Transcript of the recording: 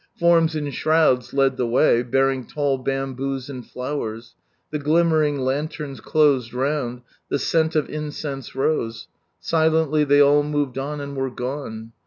Forms in shrouds led the way, bearing tall bamboos and flowers, the gUmmering lanterns closed round, the scent of incense rose, silently ihey all moved on and were gone.